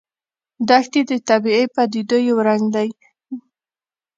دښتې د طبیعي پدیدو یو رنګ دی.